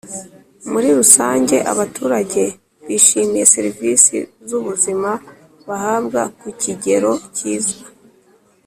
muri rusange abaturage bishimiye serivisi z ubuzima bahabwa ku kigero cyiza